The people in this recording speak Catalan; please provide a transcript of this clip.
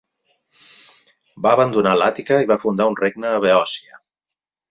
Va abandonar l'Àtica i va fundar un regne a Beòcia.